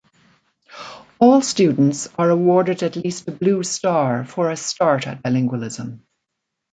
All students are awarded at least a blue star for a start at bilingualism.